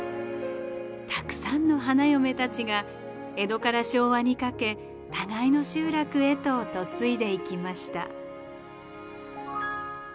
たくさんの花嫁たちが江戸から昭和にかけ互いの集落へと嫁いでいきました。